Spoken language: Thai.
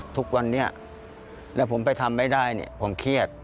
ทุกวันนี้แล้วผมไปทำไม่ได้ผมเครียด